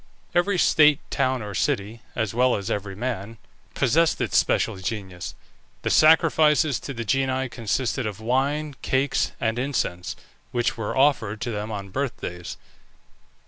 Every state, town, or city, (as well as every man), possessed its special genius. The sacrifices to the genii consisted of wine, cakes, and incense, which were offered to them on birthdays.